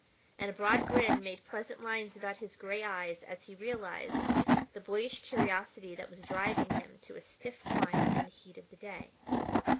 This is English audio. And a broad grin made pleasant lines about his gray eyes as he realized the boyish curiosity that was driving him to a stiff climb in the heat of the day.